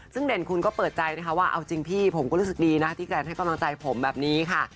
ซึ่งเด่นคุณก็เปิดใจนะคะว่าเอาจริงพี่ผมก็รู้สึกดีนะที่แฟนให้กำลังใจผมแบบนี้ค่ะ